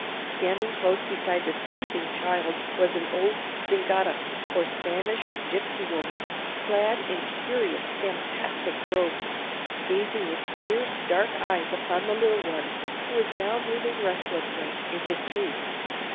Standing close beside the sleeping child was an old Zingara, or Spanish gipsy woman, clad in curious fantastic robes, gazing with fierce, dark eyes upon the little one, who was now moving restlessly in his sleep.